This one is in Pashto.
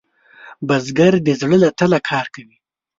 بزګر د زړۀ له تله کار کوي